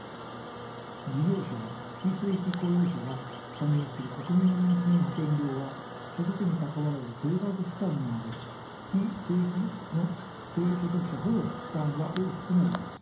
事業者や非正規雇用者が加入する国民年金保険料は所得にかかわらず定額負担なので非正規の低所得者ほど負担が大きくなります。